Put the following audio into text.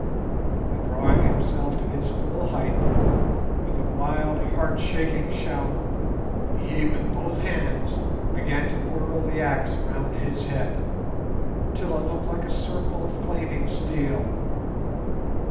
and, drawing himself to his full height, with a wild heart shaking shout, he with both hands began to whirl the axe round his head till it looked like a circle of flaming steel.